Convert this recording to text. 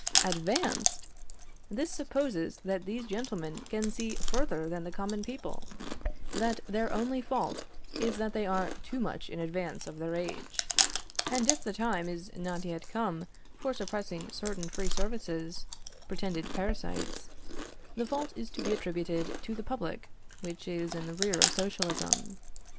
Advanced! This supposes that these gentlemen can see further than the common people; that their only fault is that they are too much in advance of their age; and if the time is not yet come for suppressing certain free services, pretended parasites, the fault is to be attributed to the public which is in the rear of Socialism.